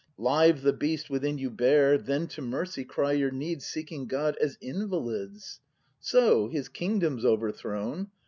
Live the beast within you bare. Then to ]Mercy cry your needs. Seeking God — as invalids! So, His Kingdom's overthrown.